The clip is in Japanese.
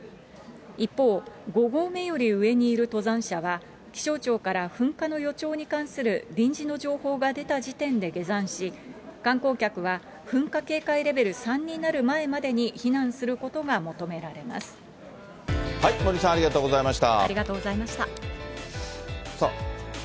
一方、５合目より上にいる登山者は、気象庁から噴火の予兆に関する臨時の情報が出た時点で下山し、観光客は噴火警戒レベル３になる前までに避難することが求められ森さん、このシャツくさいよ。